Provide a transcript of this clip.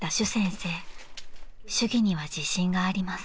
［手技には自信があります］